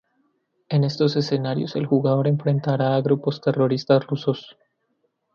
En estos escenarios el jugador enfrentará a grupos terroristas rusos.